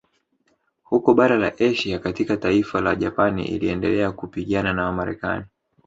Huko bara la Asia katika taifa la Japani iliendelea kupigana na Wamarekani